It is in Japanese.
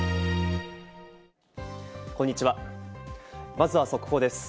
まずは速報です。